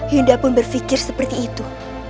hinda pun berpikir seperti itu